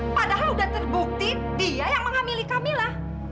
apa padahal udah terbukti dia yang menghamili kamila